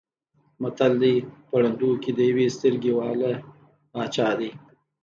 متل دی: په ړندو کې د یوې سترګې واله باچا دی.